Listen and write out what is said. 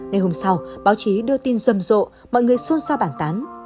ngày hôm sau báo chí đưa tin râm rộ mọi người xôn xao bản tán